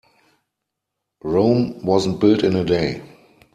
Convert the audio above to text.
Rome wasn't built in a day.